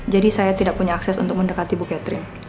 jadi saya tidak punya akses untuk mendekati ibu catherine